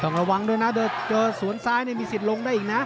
ระวังด้วยนะเจอสวนซ้ายนี่มีสิทธิ์ลงได้อีกนะ